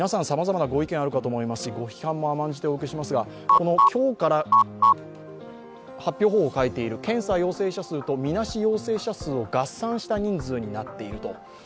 さまざまなご意見あるかと思いますし、ご批判も甘んじて受けますが、この今日から、発表方法変えている検査陽性者数とみなし陽性者数を合算した数になっていると。